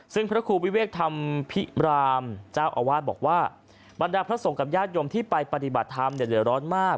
ซึ่งพระครูวิเวกธรรมพิรามเจ้าอาวาสบอกว่าบรรดาพระสงฆ์กับญาติโยมที่ไปปฏิบัติธรรมเนี่ยเหลือร้อนมาก